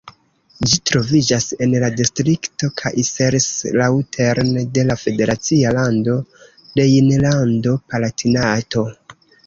Ĝi troviĝas en la distrikto Kaiserslautern de la federacia lando Rejnlando-Palatinato.